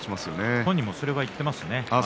本人もそれを言っています。